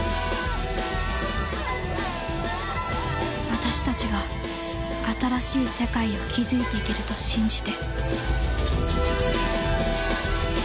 私たちが新しい世界を築いていけると信じて。